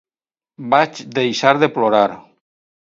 Vaig deixar de plorar.